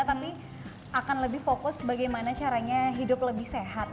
tapi akan lebih fokus bagaimana caranya hidup lebih sehat